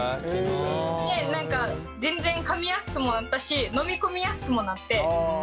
何か全然かみやすくもなったし飲み込みやすくもなって。